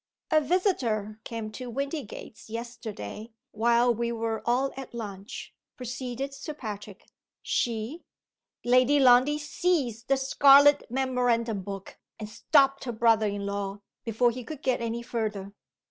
"A visitor came to Windygates yesterday, while we were all at lunch," proceeded Sir Patrick. "She " Lady Lundie seized the scarlet memorandum book, and stopped her brother in law, before he could get any further.